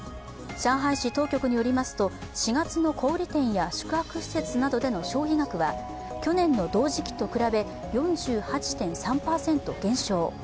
上海市当局によりますと、４月の小売店や宿泊施設などでの消費額は去年の同時期と比べ４８．３％減少。